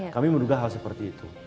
kami menduga hal seperti itu